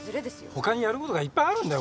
他にやることがいっぱいあるんだよ